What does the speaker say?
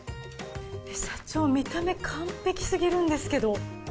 社長見た目完璧すぎるんですけど。